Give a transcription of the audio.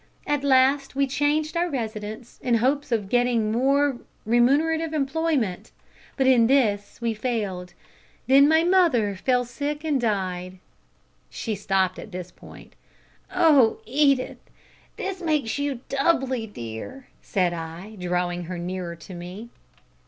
At last we changed our residence, in hopes of getting more remunerative employment, but in this we failed. Then my mother fell sick and died." She stopped at this point. "Oh, Edith! this makes you doubly dear," said I, drawing her nearer to me.